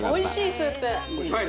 スープ。